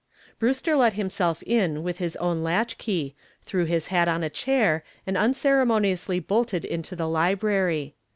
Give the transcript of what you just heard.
Brewster let himself in with his own latch key, threw his hat on a chair and unceremoniously bolted into the library.